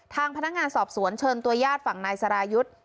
ทางพนักงานสอบสวนเชิญตัวญาติฝั่งนายสรายุทธ์